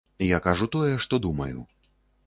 Я кажу тое, што думаю.